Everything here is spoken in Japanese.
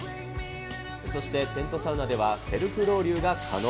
そしてテントサウナではセルフロウリュウが可能。